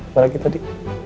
apa lagi tadi